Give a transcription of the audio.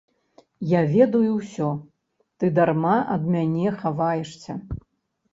Я ведаю ўсё, ты дарма ад мяне хаваешся.